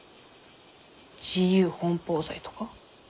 自由奔放罪とか？